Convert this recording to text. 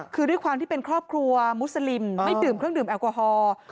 คือด้วยความที่เป็นครอบครัวมุสลิมไม่ดื่มเครื่องดื่มแอลกอฮอล์